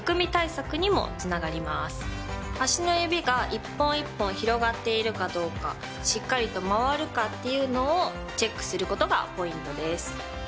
足の指が１本１本広がっているかどうかしっかりと回るかっていうのをチェックすることがポイントです。